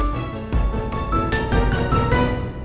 soalnya melihat kondisinya putri